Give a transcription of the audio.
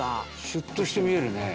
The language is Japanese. シュっとして見えるね。